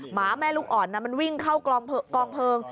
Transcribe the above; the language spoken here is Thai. หมาแม่ลูกอ่อนมันวิ่งเข้ากองเพลิง